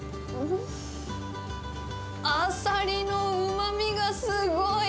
アサリのうまみがすごい！